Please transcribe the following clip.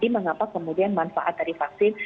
mengapa kemudian manfaat dari vaksin